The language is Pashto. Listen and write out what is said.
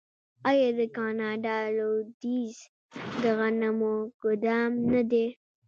آیا د کاناډا لویدیځ د غنمو ګدام نه دی؟